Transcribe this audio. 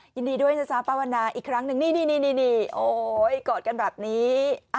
ยินดีด้วยนะจ๊ะป้าวันนาอีกครั้งหนึ่งนี่โอ๊ยกอดกันแบบนี้